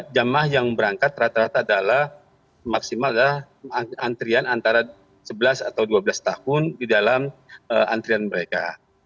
jemaah yang berangkat rata rata adalah maksimal adalah antrian antara sebelas atau dua belas tahun di dalam antrian mereka